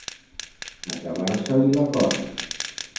Acabar-se-li la corda.